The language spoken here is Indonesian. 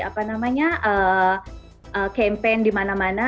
apa namanya campaign di mana mana